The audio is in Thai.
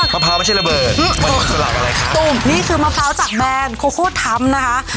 มะพร้าวไม่ใช่ระเบิดมะพร้าวไม่ใช่สลัดอะไรค่ะนี่คือมะพร้าวจากแบรนด์โคโฮดทำนะคะ